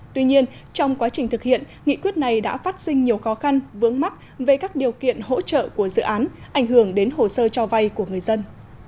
tuy nhiên trong quá trình thực hiện nghị quyết này đã phát sinh nhiều khó khăn vướng mắt về các điều kiện hỗ trợ của dự án ảnh hưởng đến hồ sơ cho vay của người dân